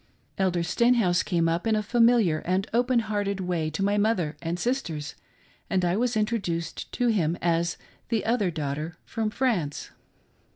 Elder Stenhouse came up in a familiar and open hearted way to my mother and sisters, and I was introduced to him as " the other daughter from France."